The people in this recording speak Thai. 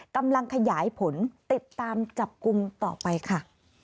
กำลังขยายผลติดตามจับกลุ่มต่อไปค่ะ